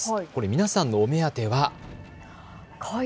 皆さんのお目当ては紅葉。